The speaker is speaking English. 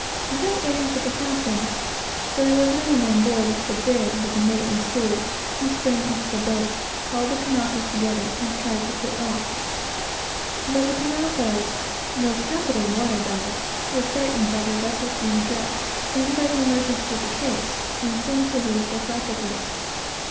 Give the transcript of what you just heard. Without waiting for the captain, (for there was no one on board but the mate and steward,) he sprung into the boat, called the Kanakas together, and tried to put off. But the Kanakas, though capital water dogs, were frightened by their vessel's being adrift, and by the emergency of the case, and seemed to lose their faculties.